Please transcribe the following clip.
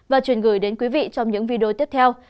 và chuyển gửi đến quý vị trong những video tiếp theo